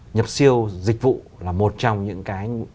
nhập siêu dịch vụ là một trong những cái